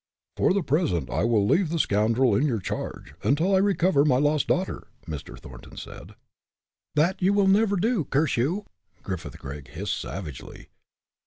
"For the present, I will leave the scoundrel in your charge until I recover my lost daughter!" Mr. Thornton said. "That you will never do, curse you!" Griffith Gregg hissed, savagely.